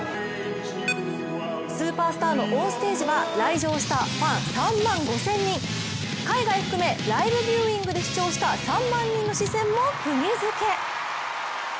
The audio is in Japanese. スーパースターのオンステージは来場したファン３万５０００人海外含めライブビューイングで視聴した３万人の視線もくぎづけ。